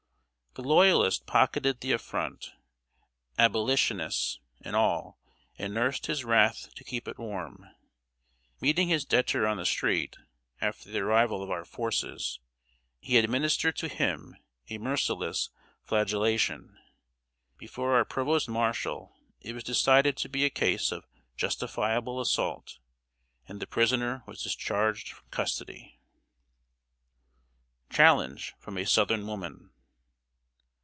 The Loyalist pocketed the affront, "ablichiness" and all, and nursed his wrath to keep it warm. Meeting his debtor on the street, after the arrival of our forces, he administered to him a merciless flagellation. Before our Provost Marshal it was decided to be a case of "justifiable assault," and the prisoner was discharged from custody. [Sidenote: CHALLENGE FROM A SOUTHERN WOMAN.